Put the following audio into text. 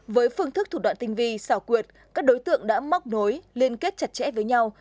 với phương thức thủ đoạn tinh vi xảo quyệt các đối tượng đã móc nối liên kết chặt chẽ với nhau